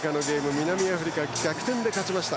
南アフリカが逆転で勝ちました。